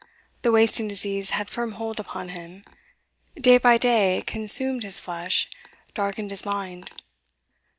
The wasting disease had firm hold upon him; day by day it consumed his flesh, darkened his mind.